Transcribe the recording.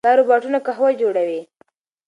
دا روباټونه قهوه جوړوي.